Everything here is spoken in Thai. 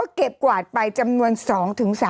ยังไม่ได้ตอบรับหรือเปล่ายังไม่ได้ตอบรับหรือเปล่า